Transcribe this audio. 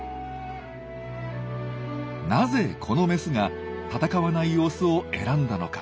なぜこのメスが戦わないオスを選んだのか。